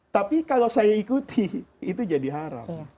tapi kalau saya ikuti itu jadi haram